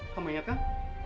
kamu inget kan